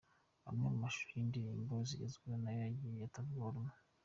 Amwe mu mashusho y'indirimbo zigezweho nayo yagiye atavugwaho rumwe.